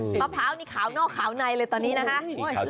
มะพร้าวนี่ขาวนอกขาวในเลยตอนนี้นะคะ